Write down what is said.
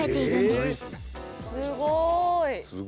すごいな。